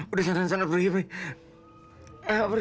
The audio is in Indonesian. udah sana sana pergi be pergi deh